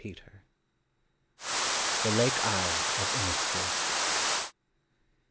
211 THE LAKE ISLE OF INNISPREE.